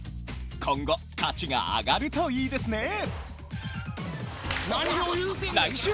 今後価値が上がるといいですねぇ！